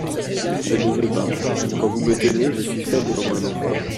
Je ne veux pas … Quand vous me tenez, je suis faible comme un enfant.